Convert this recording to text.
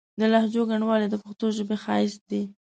د لهجو ګڼوالی د پښتو ژبې ښايست دی.